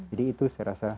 jadi itu saya rasa